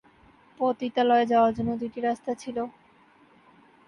পতিতালয়ে যাওয়ার জন্য দুইটি রাস্তা ছিলো।